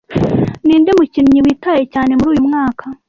Ninde mukinnyi witaye cyane muri uyumwaka?